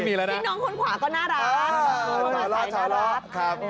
นี่น้องคนขวาก็น่ารัก